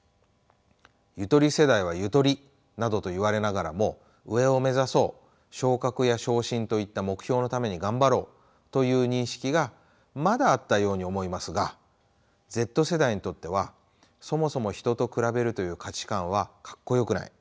ゆとり世代はゆとりなどと言われながらも上を目指そう昇格や昇進といった目標のために頑張ろうという認識がまだあったように思いますがＺ世代にとってはそもそも人と比べるという価値観はかっこよくない。